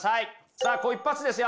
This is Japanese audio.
さあここ一発ですよ。